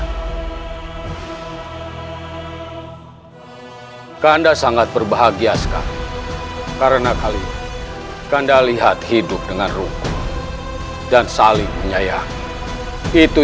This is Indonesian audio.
hai kanda sangat berbahagia sekali karena kali kanda lihat hidup dengan rukun dan saling menyayangi itu